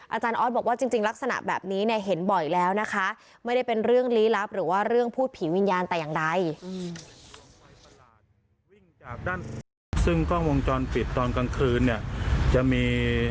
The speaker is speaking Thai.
อาจารย์ออสบอกว่าจริงลักษณะแบบนี้เนี่ยเห็นบ่อยแล้วนะคะไม่ได้เป็นเรื่องลี้ลับหรือว่าเรื่องพูดผีวิญญาณแต่อย่างใด